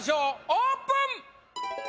オープン！